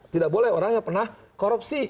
tidak boleh orang yang pernah korupsi